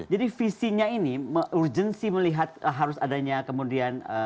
jadi visinya ini urgensi melihat harus adanya kemudian